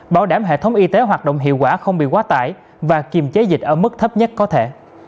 bảo đảm hệ thống y tế hoạt động hiệu quả không bị quá tải và kiềm chế dịch ở mức thấp nhất có thể